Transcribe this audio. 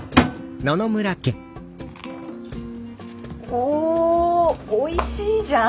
おおいしいじゃん？